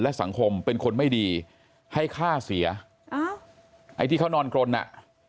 สังคมเป็นคนไม่ดีให้ฆ่าเสียอ้าวไอ้ที่เขานอนกรนอ่ะ